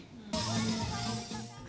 musik keras maka air pun makin tinggi